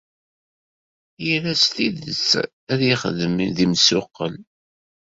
Ira s tidet ad yexdem d imsuqqel.